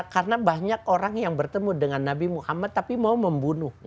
karena banyak orang yang bertemu dengan nabi muhammad tapi mau membunuhnya